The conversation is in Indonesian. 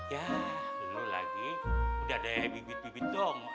ya bener lagi udah ada yang bibit bibit dong mak